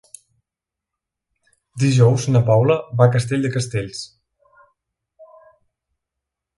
Dijous na Paula va a Castell de Castells.